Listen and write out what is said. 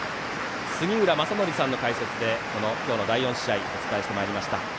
杉浦正則さんの解説で今日の第４試合をお伝えしてまいりました。